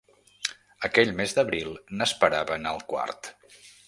Aquell mes d'abril n'esperaven el quart.